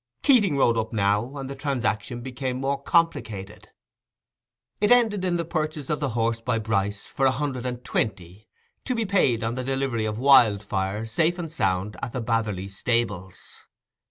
Keating rode up now, and the transaction became more complicated. It ended in the purchase of the horse by Bryce for a hundred and twenty, to be paid on the delivery of Wildfire, safe and sound, at the Batherley stables.